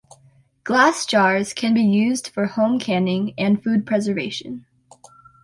Glass jars can be used for home canning and food preservation.